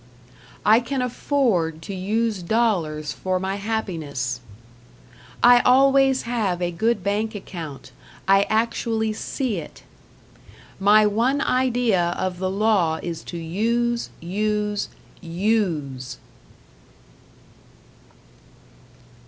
I can afford to use dollars for my happiness. I always have a good bank account. I actually see it. My one idea of the law is to use, use, USE.